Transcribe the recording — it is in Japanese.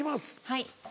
はい。